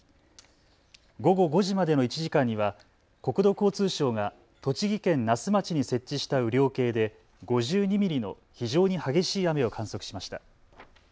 午後５時までの１時間には国土交通省が栃木県那須町に設置した雨量計で５２ミリの非常に激しい雨を観測しました。